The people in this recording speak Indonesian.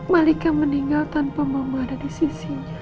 malika meninggal tanpa mama ada di sisinya